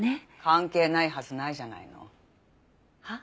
関係ないはずないじゃないの。は？